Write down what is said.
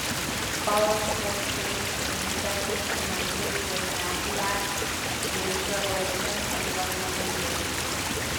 Following a blank page, the New Testament commences with Matthew-Acts, James-Revelation, and Romans-Hebrews.